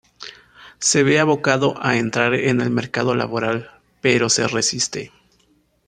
Se ve abocado a entrar en el mercado laboral, pero se resiste.